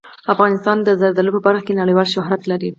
افغانستان د زردالو په برخه کې نړیوال شهرت لري.